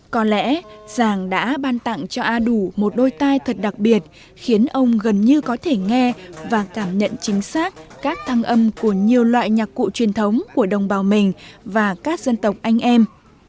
có lẽ giàng đã ban tặng cho a đủ một đôi tai thật đặc biệt khiến ông gần như có thể nghe và cảm nhận chính xác các thăng âm của nhiều loại nhạc cụ truyền thống của đồng bào mình và các dân tộc anh em